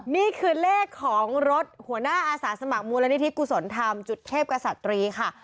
นี่คือเลขของรถหัวหน้าอาสาสมัครมูลนิธิกุศลธรรมจุดเทพกษัตรีค่ะ